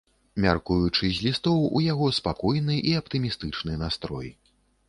Мяркуючы з лістоў, у яго спакойны і аптымістычны настрой.